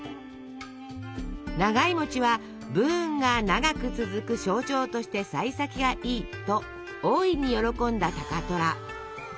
長いは「武運が長く続く象徴としてさい先がいい」と大いに喜んだ高虎。